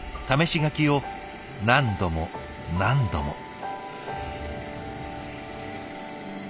試し書きを何度も何度も。